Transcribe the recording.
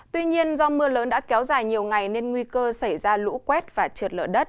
tuy nhiên do mưa lớn đã kéo dài nhiều ngày nên nguy cơ xảy ra lũ quét và trượt lở đất